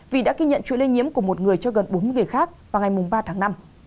vì đã ghi nhận chuỗi lây nhiễm của một người cho gần bốn mươi người khác vào ngày ba tháng năm